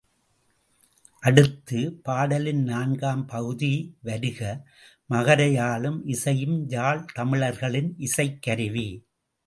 அடுத்து, பாடலின் நான்காம் பகுதி வருக மகர யாழும் இசையும் யாழ் தமிழர்களின் இசைக்கருவி.